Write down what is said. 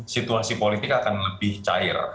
situasi politik akan lebih cair